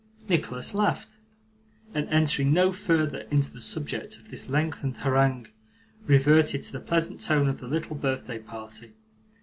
Nicholas laughed, and entering no further into the subject of this lengthened harangue, reverted to the pleasant tone of the little birthday party.